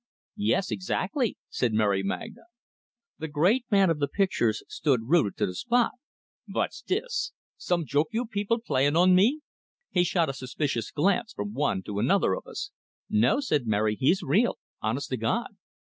"Yes, exactly," said Mary Magna. The great man of the pictures stood rooted to the spot. "Vot's dis? Some joke you people playin' on me?" He shot a suspicious glance from one to another of us. "No," said Mary, "he's real. Honest to God!"